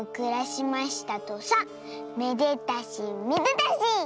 めでたしめでたし！」。